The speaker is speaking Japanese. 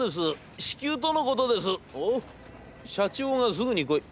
『おう。社長がすぐに来い？